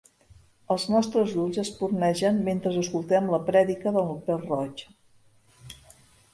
Els nostres ulls espurnegen mentre escoltem la prèdica del pèl-roig.